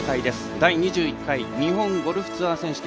第２１回日本ゴルフツアー選手権。